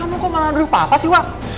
kamu kok malah nuduh papa sih wak